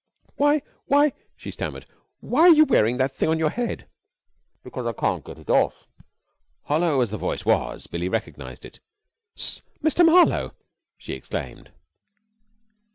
"Why why," she stammered, "why are you wearing that thing on your head?" "Because I can't get it off." Hollow as the voice was, Billie recognised it. "S Mr. Marlowe!" she exclaimed.